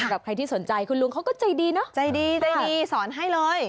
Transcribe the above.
กับใครที่สนใจคุณลุงเขาก็ใจดีเนอะใจดีใจดีสอนให้เลย